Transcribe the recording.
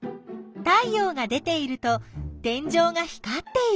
太陽が出ていると天井が光っている。